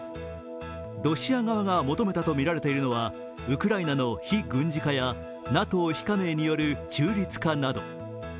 ロシアが求めたとみられているのは、ウクライナの非軍事化やＮＡＴＯ非加盟による中立化など。